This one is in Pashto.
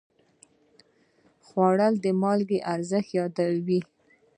خوړل د مالګې ارزښت یادوي